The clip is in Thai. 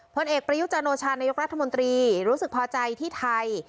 ผลเอกประยุจันโอชานายกรัฐมนตรีรู้สึกพอใจที่ไทย